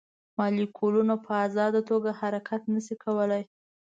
مالیکولونه په ازاده توګه حرکت نه شي کولی.